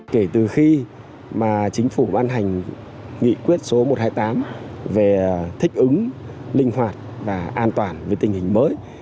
kể từ khi mà chính phủ ban hành nghị quyết số một trăm hai mươi tám về thích ứng linh hoạt và an toàn với tình hình mới